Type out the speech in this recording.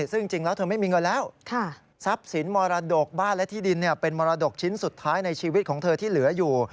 ซึ่งจริงแล้วเธอไม่มีเงินแล้วทรัพย์สินมรดกบ้านและที่ดินเป็นมรดกชิ้นสุดท้ายในชีวิตของเธอที่เหลืออยู่